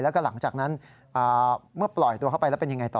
แล้วก็หลังจากนั้นเมื่อปล่อยตัวเข้าไปแล้วเป็นยังไงต่อ